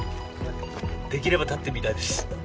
できれば立ってみたいです。